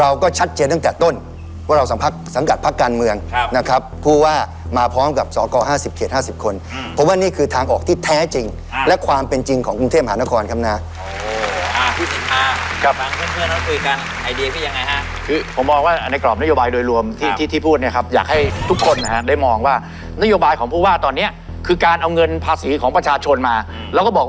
อาจจะต้องเอางานออกไปที่หาคนด้วยคือเมืองที่อยู่แถวฝั่งตรงนั้นออกที่มีที่ดินอยู่แถวฝั่งตรงนั้นออก